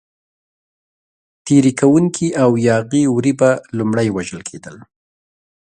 تېري کوونکي او یاغي وري به لومړی وژل کېدل.